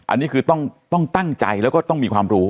อันนี้คือต้องตั้งใจแล้วก็ต้องมีความรู้